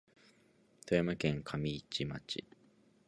富山県上市町